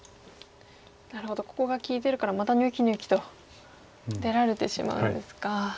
なるほどここが利いてるからまたニョキニョキと出られてしまうんですか。